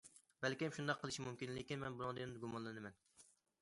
بەلكىم شۇنداق قىلىشى مۇمكىن، لېكىن مەن بۇنىڭدىن گۇمانلىنىمەن.